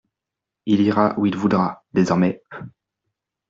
Il ira où il voudra, désormais.